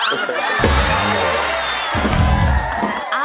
ไม่ธรรมดา